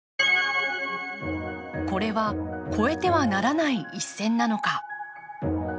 これは越えてはならない一線なのか。